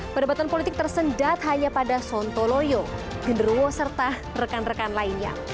perdebatan politik tersendat hanya pada sontoloyo genderuwo serta rekan rekan lainnya